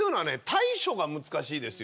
対処が難しいですよ。